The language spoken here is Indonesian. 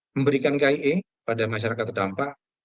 memberikan kie pada masyarakat terdampak